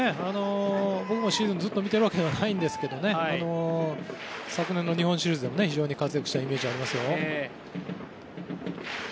僕もシーズンずっと見ているわけではないですが昨年の日本シリーズでも非常に活躍したイメージがありますよ。